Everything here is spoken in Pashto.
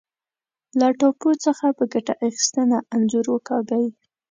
له ټاپو څخه په ګټه اخیستنه انځور وکاږئ.